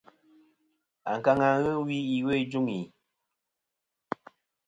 Ankaŋa wi iwo ijuŋi.